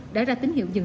đã ra tín hiệu dự án